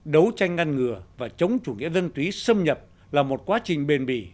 đấu tranh ngăn ngừa và chống chủ nghĩa dân túy xâm nhập là một quá trình bền bỉ